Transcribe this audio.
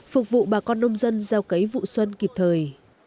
phục vụ bà con nông dân gieo cấy vụ xuân kịp thời